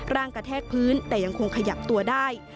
กระแทกพื้นแต่ยังคงขยับตัวได้